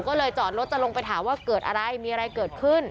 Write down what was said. ก็เลยจอดรถจะลงไปถามว่าเกิดอะไรมีอะไรเกิดขึ้น